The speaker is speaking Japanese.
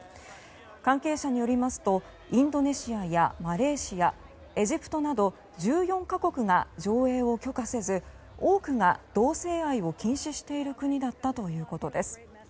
関係者によりますとインドネシアやマレーシアエジプトなど１４か国が上映を許可せず多くが同性愛を禁止している国だったということです。